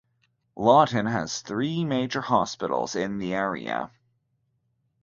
Lawton has three major hospitals in the area.